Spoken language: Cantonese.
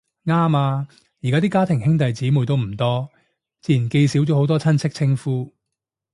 啱呀，而家啲家庭兄弟姊妹都唔多，自然記少咗好多親戚稱呼